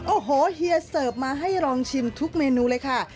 โอ้โหเฮียเสิร์ฟมาให้ลองชิมทุกเมนูเลยค่ะ